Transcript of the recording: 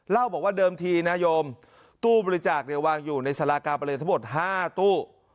เล่าบอกว่าเดิมทีนะโยมตู้บริจาควางอยู่ในสารากาประเลทั้งหมด๕ตู้